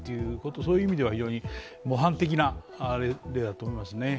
そういう意味では模範的な例だと思いますね。